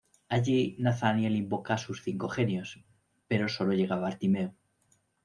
Allí, Nathaniel invoca a sus cinco genios, pero sólo llega Bartimeo.